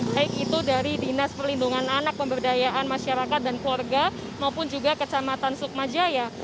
baik itu dari dinas perlindungan anak pemberdayaan masyarakat dan keluarga maupun juga kecamatan sukmajaya